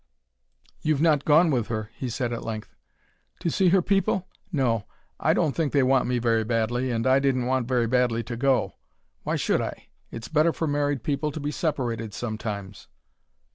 "You've not gone with her," he said at length. "To see her people? No, I don't think they want me very badly and I didn't want very badly to go. Why should I? It's better for married people to be separated sometimes."